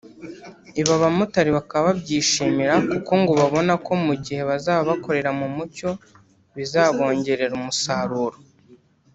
Ibi abamotari bakaba babyishimira kuko ngo babona ko mu gihe bazaba bakorera mu mucyo bizabongerera umusaruro